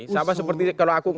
sama seperti kalau aku